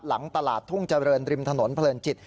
หลังตลาดทุ่งเจริญริมถนนเพลินจิต